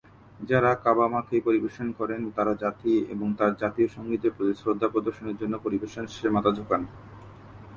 যারা "কাবা মা কেই" পরিবেশন করেন তারা জাতি এবং তার জাতীয় সংগীতের প্রতি শ্রদ্ধা প্রদর্শনের জন্য পরিবেশন শেষে মাথা ঝোঁকান।